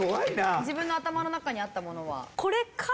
自分の頭の中にあったものは？